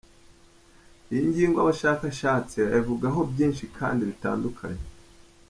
Iyi ngingo abashakashatsi bayivugaho byinshi kandi bitandukanye.